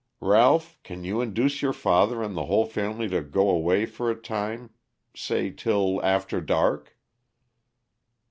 Ralph, can you induce your father and the whole family to go away for a time say till after dark?"